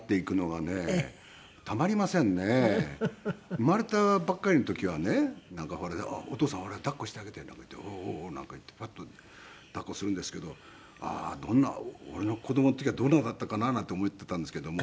生まれたばっかりの時はねなんか「お父さん抱っこしてあげてよ」なんか言って「おおー」なんか言ってパッと抱っこするんですけどどんな俺の子供の時はどんなだったかななんて思っていたんですけども。